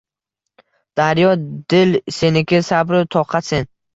Daryo dil seniki, sabru toqatsen.